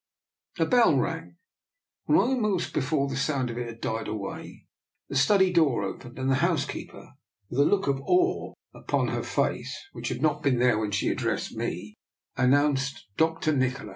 A bell rang, and almost before the sound of it had died away the study door opened, and the housekeeper, with a look of awe upon 42 DR. NIKOLA'S EXPERIMENT. her face which had not been there when she addressed me, announced " Dr. Nikola."